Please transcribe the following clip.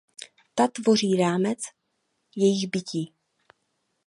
Ta tvoří základní rámec jejich bytí.